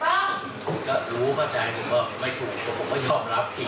ผมก็รู้เข้าใจผมก็ไม่ถูกผมก็ยอมรับผิด